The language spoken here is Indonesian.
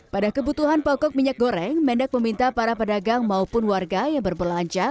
pada kebutuhan pokok minyak goreng mendak meminta para pedagang maupun warga yang berbelanja